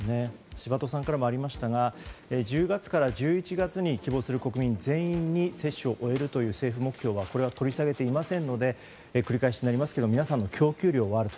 柴戸さんからもありましたが１０月から１１月に希望する国民全員に接種を終えるという政府目標は取り下げていませんので繰り返しになりますが皆さんの供給量はあると。